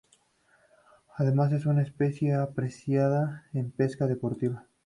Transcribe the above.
Además es una especie apreciada en pesca deportiva.